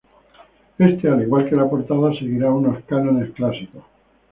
Este, al igual que la portada, seguirá unos cánones clásicos.